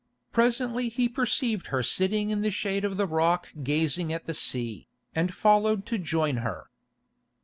Presently he perceived her sitting in the shade of the rock gazing at the sea, and followed to join her.